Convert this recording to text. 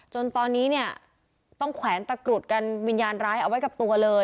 จนตอนนี้เนี่ยต้องแขวนตากรุดวิญญาณร้ายเอาควบตัว